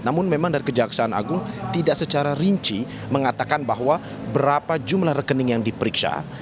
namun memang dari kejaksaan agung tidak secara rinci mengatakan bahwa berapa jumlah rekening yang diperiksa